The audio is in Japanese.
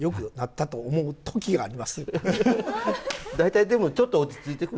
大体でもちょっと落ち着いてくる。